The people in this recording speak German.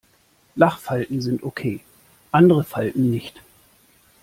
Lachfalten sind okay, andere Falten nicht.